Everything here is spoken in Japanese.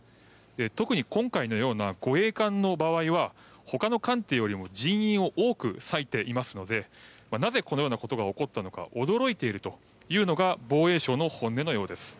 特に今回のような護衛艦の場合他の艦艇よりも人員を多く割いていますのでなぜ、このようなことが起こったのか驚いているというのが防衛省の本音のようです。